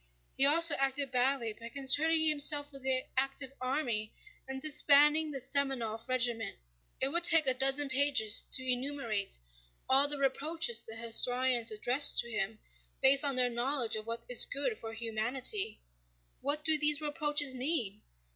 He also acted badly by concerning himself with the active army and disbanding the Semënov regiment." It would take a dozen pages to enumerate all the reproaches the historians address to him, based on their knowledge of what is good for humanity. What do these reproaches mean?